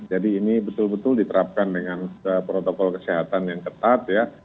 jadi ini betul betul diterapkan dengan protokol kesehatan yang ketat ya